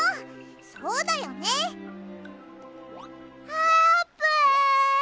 あーぷん。